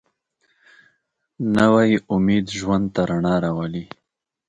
نوی امید ژوند ته رڼا راولي